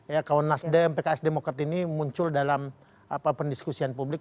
ya kalau nasdem pks demokrat ini muncul dalam pendiskusian publik